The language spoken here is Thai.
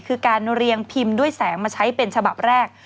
คือการเรียงพิมพ์ด้วยแสงมาใช้เป็นฉบับแรก